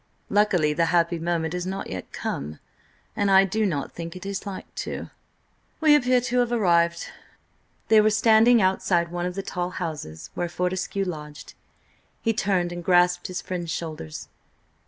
Luckily, the happy moment has not yet come–and I do not think it is like to. We appear to have arrived." They were standing outside one of the tall houses where Fortescue lodged. He turned and grasped his friend's shoulders.